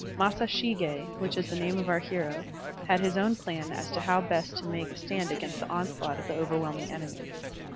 Masashig6, which is the name of our hero, had his own: plan as to how best to make a stand against the onslaught of the over whelming enemy.